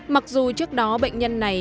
mặc dù trước đó bệnh nhân này